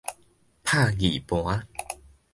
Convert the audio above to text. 拍字盤